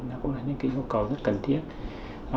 nó cũng là những yêu cầu rất cần thiết